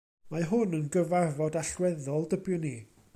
Mae hwn yn gyfarfod allweddol, dybiwn i.